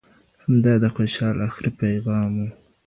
همدا د خوشال اخري پیغام و